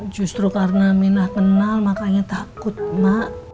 justru karena mina kenal makanya takut mak